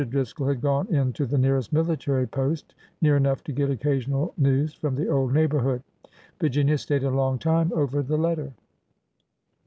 Driscoll had gone in to the nearest military post, — near enough to get occasional news from the old neighborhood. Virginia stayed a long time over the letter.